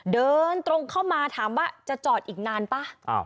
เดินตรงเข้ามาถามว่าจะจอดอีกนานป่ะ